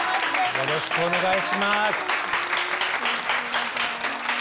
よろしくお願いします。